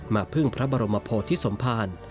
พึ่งพระบรมโพธิสมภาร